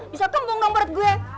bisa kembung dong berat gue